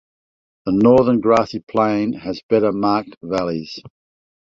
The northern grassy plain has better marked valleys.